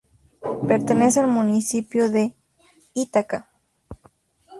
Pertenece al municipio de Ítaca.